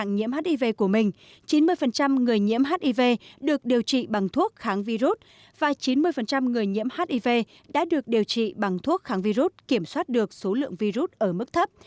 nhiều người nhiễm hiv đã được điều trị bằng thuốc kháng virus ở mức thấp